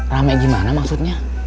ramai gimana maksudnya